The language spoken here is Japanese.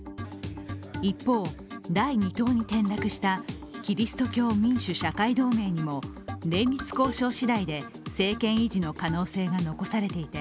一方、第２党に転落したキリスト教民主・社会同盟にも連立交渉次第で、政権維持の可能性が残されていて